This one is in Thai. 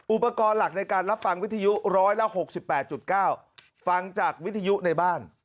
อุปกรณ์หลักในการรับฟังวิทยุ๑๖๘๙ฟังจากวิทยุในบ้าน